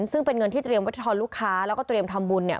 ซึ่งเป็นเงินที่เตรียมวัฒนลูกค้าแล้วก็เตรียมทำบุญเนี่ย